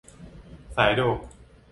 สายโด่